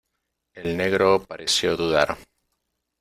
el negro pareció dudar.